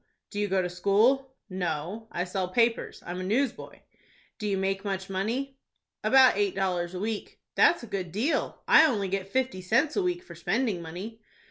"Do you go to school?" "No, I sell papers. I'm a newsboy." "Do you make much money?" "About eight dollars a week." "That's a good deal. I only get fifty cents a week for spending money."